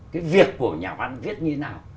cái việc của nhà văn viết như thế nào